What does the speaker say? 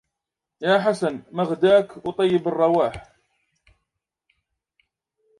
يا حسن مغداك وطيب الرواح